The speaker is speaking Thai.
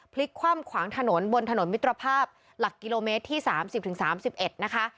พลิกคว่ำขวางถนนบนถนนมิตรภาพหลักกิโลเมตรที่สามสิบถึงสามสิบเอ็ดนะคะ